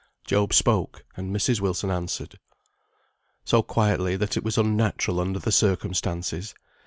Job spoke, and Mrs. Wilson answered. So quietly, that it was unnatural under the circumstances.